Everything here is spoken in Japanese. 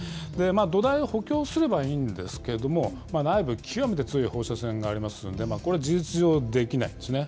土台を補強すればいいんですけれども、内部、極めて強い放射線がありますので、これ、事実上できないんですね。